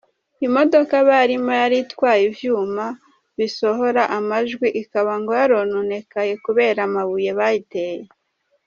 Imodoka barimwo yari itwaye ivyuma bisohora amajwi ikaba ngo yarononekaye kubera amabuye bayiteye.